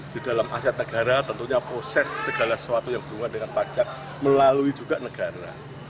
di dalam aset negara tentunya proses segala sesuatu yang berhubungan dengan pajak melalui juga negara